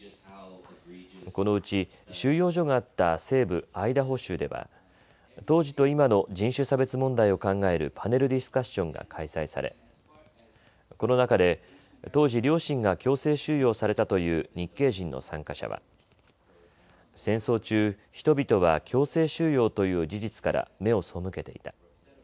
このうち、収容所があった西部アイダホ州では当時と今の人種差別問題を考えるパネルディスカッションが開催されこの中で当時両親が強制収容されたという日系人の参加者は戦争中、人々は強制収容という事実から目を背けていた。